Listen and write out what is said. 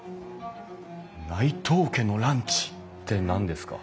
「内藤家のランチ」って何ですか？